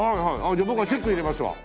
じゃあ僕がチェック入れますわ。